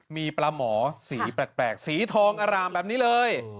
มีปลาหมอสีแปลกสีทองอร่ามแบบนี้เลย